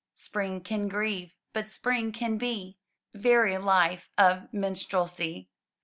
Spring can grieve, but Spring can be Very life of minstrelsy!